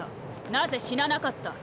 なぜ死ななかった？